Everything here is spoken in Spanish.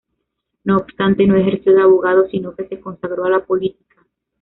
No obstante, no ejerció de abogado, sino que se consagró a la política.